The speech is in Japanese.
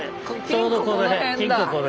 ちょうどこのへん。